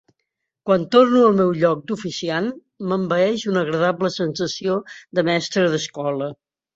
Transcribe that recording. Quan torno al meu lloc d'oficiant m'envaeix una agradable sensació de mestre d'escola.